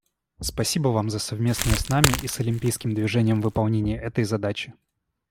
Спасибо вам за совместное с нами и с Олимпийским движением выполнение этой задачи.